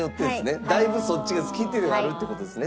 だいぶそっちが好きっていうのがあるって事ですね。